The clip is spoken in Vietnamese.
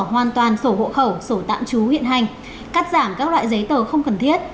hoàn toàn sổ hộ khẩu sổ tạm trú hiện hành cắt giảm các loại giấy tờ không cần thiết